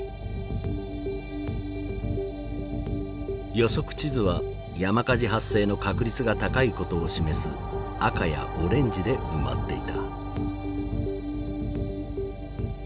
予測地図は山火事発生の確率が高いことを示す赤やオレンジで埋まっていた。